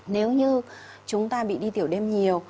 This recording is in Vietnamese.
nếu như chúng ta bị đi tiểu đêm nhiều